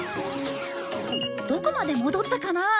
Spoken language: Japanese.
どこまで戻ったかな？